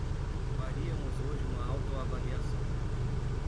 Faríamos hoje uma autoavaliação